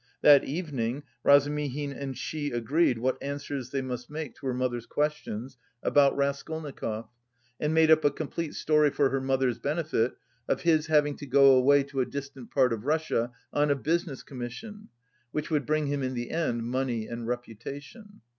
That evening Razumihin and she agreed what answers they must make to her mother's questions about Raskolnikov and made up a complete story for her mother's benefit of his having to go away to a distant part of Russia on a business commission, which would bring him in the end money and reputation.